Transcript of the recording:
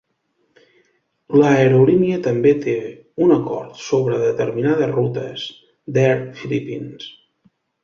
L'aerolínia també té un acord sobre determinades rutes d'Air Philippines.